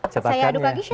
saya aduk lagi siap